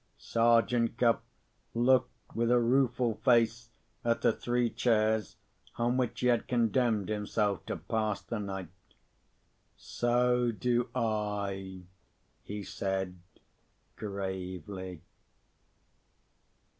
Sergeant Cuff looked with a rueful face at the three chairs on which he had condemned himself to pass the night. "So do I," he said, gravely.